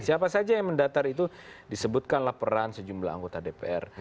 siapa saja yang mendatar itu disebutkanlah peran sejumlah anggota dpr